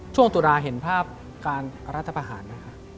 ตุลาเห็นภาพการรัฐประหารไหมคะ